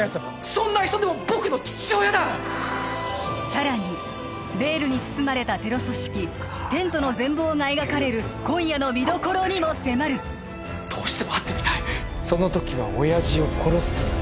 そんな人でも僕の父親ださらにベールに包まれたテロ組織テントの全貌が描かれる今夜の見どころにも迫るどうしても会ってみたいその時は親父を殺す時だ